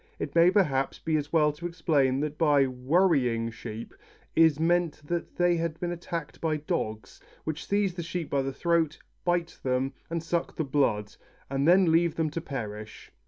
It may, perhaps, be as well to explain that by "worrying" sheep is meant that they have been attacked by dogs, which seize the sheep by the throat, bite them, and suck the blood, and then leave them to perish.